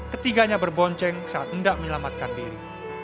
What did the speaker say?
ketiganya berbonceng saat hendak menyelamatkan diri